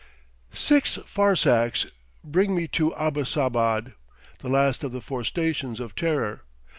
Six farsakhs bring me to Abbasabad, the last of the four stations of terror.